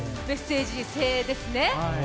メッセージ性ですね。